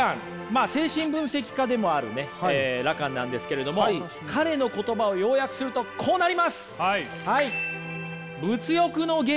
まあ精神分析家でもあるねラカンなんですけれども彼の言葉を要約するとこうなります。